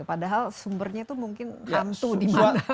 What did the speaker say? padahal sumbernya itu mungkin hantu di mana